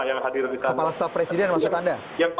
yang hadir di sana kepala staff presiden maksud anda